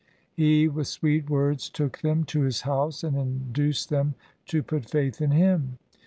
He with sweet words took them to his house and induced them to put faith in him.